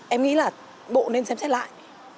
em nghĩ là bộ nên xem xét lại